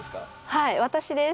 はい私です。